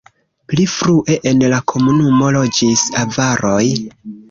Pli frue en la komunumo loĝis avaroj.